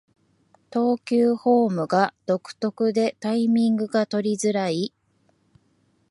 投球フォームが独特でタイミングが取りづらい